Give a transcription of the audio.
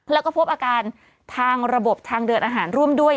แล้วก็พบอาการทางระบบทางเดินอาหารร่วมด้วย